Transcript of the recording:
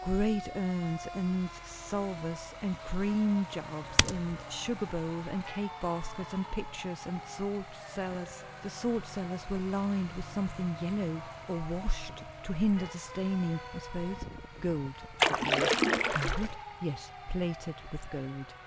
Great urns, and salvers, and cream jugs, and sugar bowls, and cake baskets, and pitchers, and salt cellars. The salt cellars were lined with something yellow, or washed, to hinder the staining, I suppose." "Gold," said Lois. "Gold?" "Yes. Plated with gold."